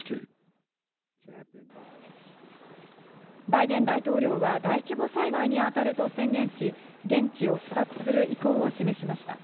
バイデン大統領は大規模災害にあたると宣言し、現地を視察する意向を示しました。